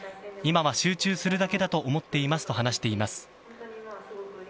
今は集中するだけだと思っていますと話しています。